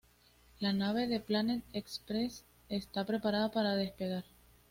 La nave de Planet Express está preparada para despegar.